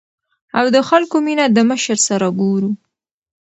او د خلکو مينه د مشر سره ګورو ـ